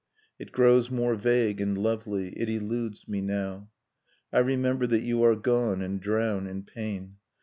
It grows more vague and lovely, it eludes me now. .. I remember that you are gone, and drown in pain